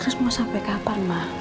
terus mau sampai kapan mah